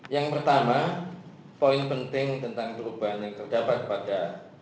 yang pertama poin penting tentang perubahan yang terdapat pada